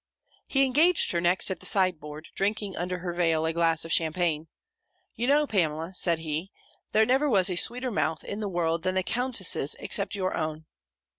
He engaged her next at the sideboard, drinking under her veil a glass of Champaign. "You know, Pamela," said he, "there never was a sweeter mouth in the world than the Countess's except your own."